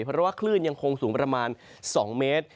เพราะว่าคลื่นยังคงสูงประมาณ๒เมตร